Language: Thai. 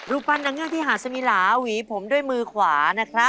รุปัญญาพิหาสมิลาหวีผมด้วยมือขวา